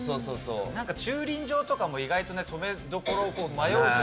駐輪場とかも意外とね止めどころを迷うというか。